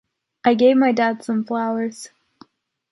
I gave my dad some flowers.